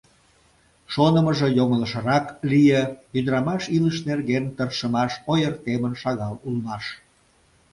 Шонымыжо йоҥылышрак лие: ӱдырамаш илыш нерген тыршымаш ойыртемын шагал улмаш..